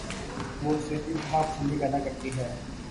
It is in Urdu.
وہ صرف انتہا پسندی پیدا کرتی ہے۔